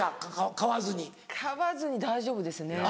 買わずに大丈夫ですね。